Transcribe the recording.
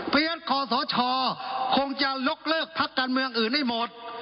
เพราะฉะนั้นคอสชคงจะยกเลิกพักการเมืองอื่นได้หมด